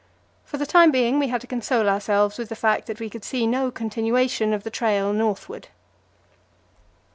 For the time being, we had to console ourselves with the fact that we could see no continuation of the trail northward.